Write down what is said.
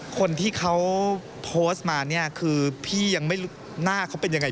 คนที่เขาโพสต์มาเนี่ยคือพี่ยังไม่รู้หน้าเขาเป็นยังไง